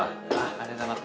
ありがとうございます。